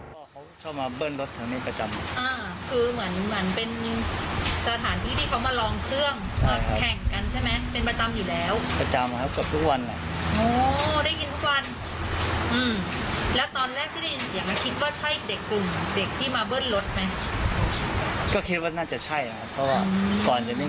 พ่อเขาชอบมาเบิ้ลรถตรงนี้ประจำอ่าคือเหมือนเหมือนเป็นสถานที่ที่เขามาลองเครื่อง